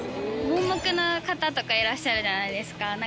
盲目の方とかいらっしゃるじゃないですか。